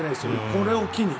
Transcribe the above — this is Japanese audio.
これを機に。